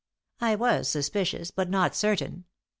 "I was suspicious, but not certain.